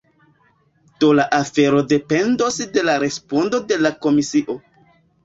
Do la afero dependos de la respondo de la komisio.